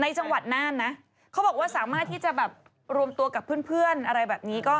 จังหวัดน่านนะเขาบอกว่าสามารถที่จะแบบรวมตัวกับเพื่อนอะไรแบบนี้ก็